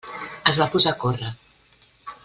Es va posar a córrer.